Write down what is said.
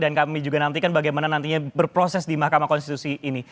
dan kami juga nantikan bagaimana nantinya berproses di mahkamah konstitusi ini